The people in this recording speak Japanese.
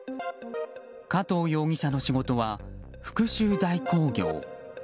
加藤容疑者の仕事は復讐代行業。